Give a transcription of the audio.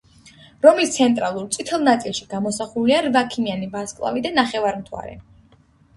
რომლის ცენტრალურ წითელ ნაწილში გამოსახულია რვაქიმიანი ვარსკვლავი და ნახევარმთვარე.